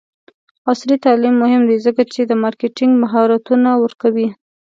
عصري تعلیم مهم دی ځکه چې د مارکیټینګ مهارتونه ورکوي.